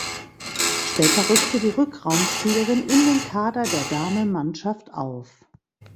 Später rückte die Rückraumspielerin in den Kader der Damenmannschaft auf.